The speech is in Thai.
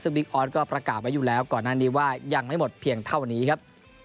ซึ่งบิ๊กออสก็ประกาศไว้อยู่แล้วก่อนหน้านี้ว่ายังไม่หมดเพียงเท่านี้ครับ